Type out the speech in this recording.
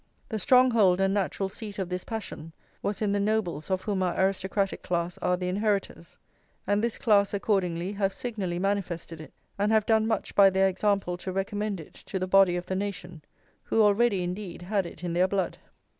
The stronghold and natural seat of this passion was in the nobles of whom our aristocratic class are the inheritors; and this class, accordingly, have signally manifested it, and have done much by their example to recommend it to the body of the nation, who already, indeed, had it in their blood.